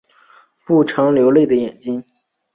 不常流泪的眼睛